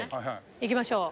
行きましょう。